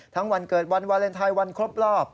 วันเกิดวันวาเลนไทยวันครบรอบ